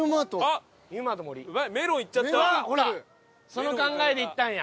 その考えで行ったんや。